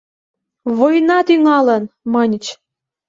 «Война тӱҥалын!» — маньыч.